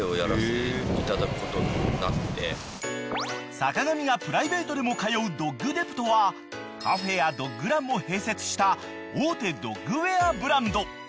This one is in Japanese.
［坂上がプライベートでも通うＤＯＧＤＥＰＴはカフェやドッグランも併設した大手ドッグウェアブランド］